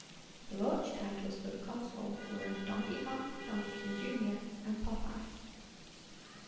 The launch titles for the console were "Donkey Kong", "Donkey Kong Junior", and "Popeye".